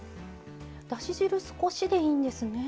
だし汁少しでいいんですね。